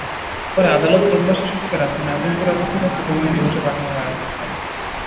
পরে আদালত রোববার শিশুটিকে রাজধানীর আজিমপুরে অবস্থিত ছোটমনি নিবাসে পাঠানোর আদেশ দেন।